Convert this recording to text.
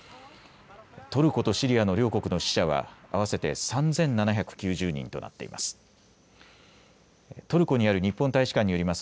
トルコとシリアの両国の死者は合わせて３７９０人となっています。